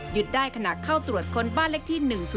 ยึดได้ขณะเข้าตรวจคนบ้านเล็กที่๑๐๒